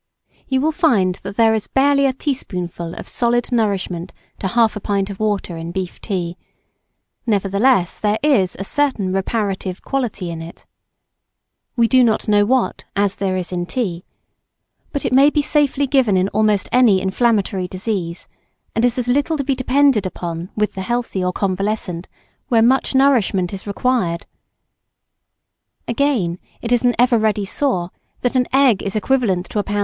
You will find that there is barely a teaspoonful of solid nourishment to half a pint of water in beef tea; nevertheless there is a certain reparative quality in it, we do not know what, as there is in tea; but it may safely be given in almost any inflammatory disease, and is as little to be depended upon with the healthy or convalescent where much nourishment is required. Again, it is an ever ready saw that an egg is equivalent to a lb.